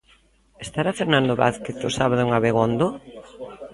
Estará Fernando Vázquez o sábado en Abegondo?